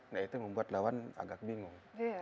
nah itu membuat lawan agak bingung